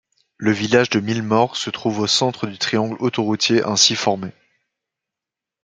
Le village de Milmort se trouve au centre du triangle autoroutier ainsi formé.